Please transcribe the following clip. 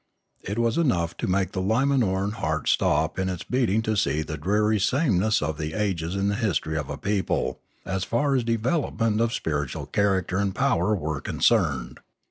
It was enough to make the Lima noran Heart stop in its beating to see the dreary sameness of the ages in the history of a people, as far as development of spiritual character and power were concerned.